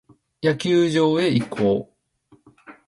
野球場へ移行。